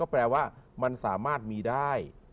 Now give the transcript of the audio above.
แปลว่ามันสามารถมีได้